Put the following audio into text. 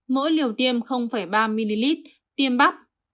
mỗi liều tiêm ba ml tiêm bắp